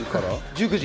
１９時！